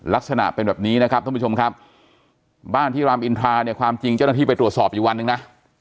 ลักษณะเป็นแบบนี้นะครับท่านผู้ชมครับบ้านที่รามอินทราเนี่ยความจริงเจ้าหน้าที่ไปตรวจสอบอยู่วันหนึ่งนะ